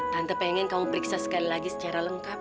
tante pengen kamu periksa sekali lagi secara lengkap